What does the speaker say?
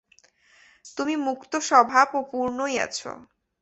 তুমি মুক্তস্বভাব ও পূর্ণই আছ।